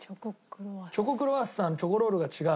チョコクロワッサンチョコロールが違う？